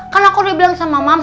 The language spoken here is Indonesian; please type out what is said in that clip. kan aku udah bilang sama mama